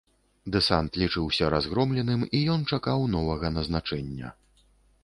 Дэсант лічыўся разгромленым, і ён чакаў новага назначэння.